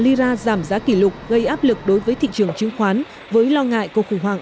lira giảm giá kỷ lục gây áp lực đối với thị trường chứng khoán với lo ngại cuộc khủng hoảng